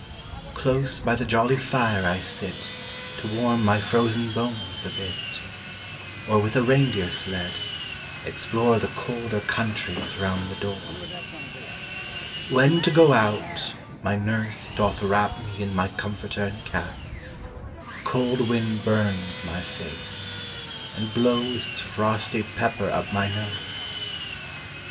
Close by the jolly fire I sit To warm my frozen bones a bit; Or with a reindeer sled, explore The colder countries round the door. When to go out, my nurse doth wrap Me in my comforter and cap; The cold wind burns my face, and blows Its frosty pepper up my nose.